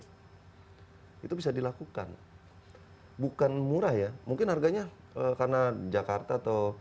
hai itu bisa dilakukan bukan murah ya mungkin harganya karena jakarta atau